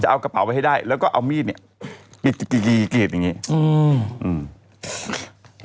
จะเอากระเป๋าไว้ให้ได้แล้วก็เอามีดนี่ปิดปิดปิดอย่างงี้อืม